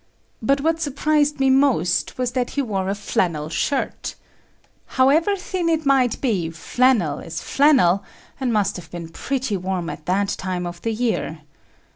But what surprised me most was that he wore a flannel shirt. However thin it might be, flannel is flannel and must have been pretty warm at that time of the year.